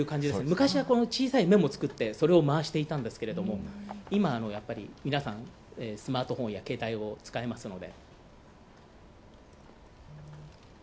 昔は小さいメモを作って、それを回していたんですけども今は皆さん、スマートフォンや携帯を使いますので。